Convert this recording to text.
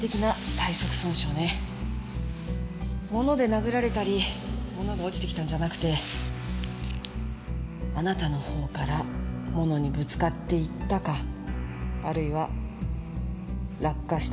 物で殴られたり物が落ちてきたんじゃなくてあなたの方から物にぶつかっていったかあるいは落下して頭を打ったか。